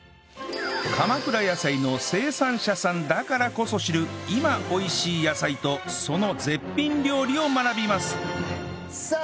鎌倉野菜の生産者さんだからこそ知る今美味しい野菜とその絶品料理を学びますさあ